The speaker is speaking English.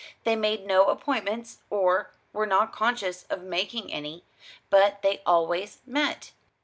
They made no appointments, or were not conscious of making any; but they always met.